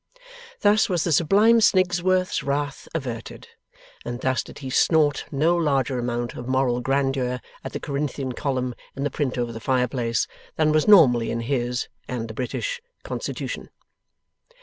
Thus, was the sublime Snigsworth's wrath averted, and thus did he snort no larger amount of moral grandeur at the Corinthian column in the print over the fireplace, than was normally in his (and the British) constitution.